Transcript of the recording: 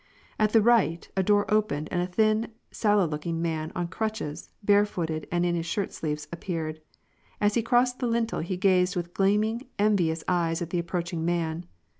At the right, a door opened and a thin, sallow looking man, on crutches, barefooted, and in his shirt sleeves, appeared. As he crossed the lintel, he gazed with gleaming, envious eyes at the approaching man.